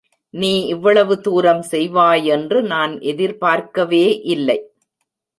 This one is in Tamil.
நீ இவ்வளவு தூரம் செய்வாயென்று நான் எதிர்பார்க்கவே இல்லை.